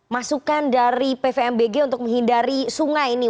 masukan dari pvmbg untuk menghindari sungai ini